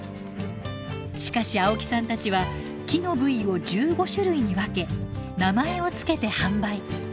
しかし青木さんたちは木の部位を１５種類に分け名前を付けて販売。